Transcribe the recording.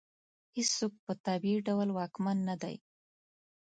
هېڅوک په طبیعي ډول واکمن نه دی.